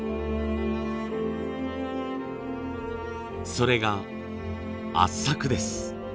それが圧搾です。